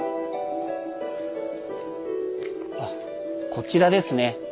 あこちらですね。